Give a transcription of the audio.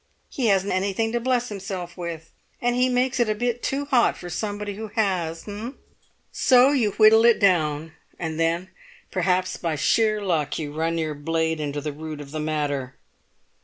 He hasn't anything to bless himself with, and he makes it a bit too hot for somebody who has, eh? So you whittle it down. And then perhaps by sheer luck you run your blade into the root of the matter."